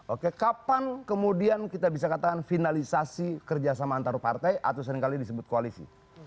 oke kapan kemudian kita bisa katakan finalisasi kerjasama antar partai atau seringkali disebut koalisi